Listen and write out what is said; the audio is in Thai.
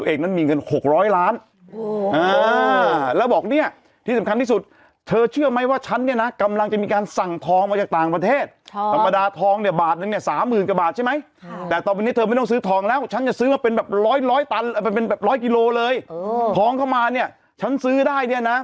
เองนั้นมีเงิน๖๐๐ล้านแล้วบอกเนี่ยที่สำคัญที่สุดเธอเชื่อไหมว่าฉันเนี่ยนะกำลังจะมีการสั่งทองมาจากต่างประเทศธรรมดาทองเนี่ยบาทนึงเนี่ยสามหมื่นกว่าบาทใช่ไหมแต่ตอนนี้เธอไม่ต้องซื้อทองแล้วฉันจะซื้อมาเป็นแบบร้อยร้อยตันเป็นแบบร้อยกิโลเลยทองเข้ามาเนี่ยฉันซื้อได้เนี่ยนะ